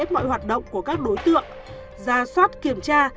mọi hoạt động của các đối tượng ra soát kiểm tra